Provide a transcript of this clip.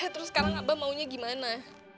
terus sekarang abah maunya gimana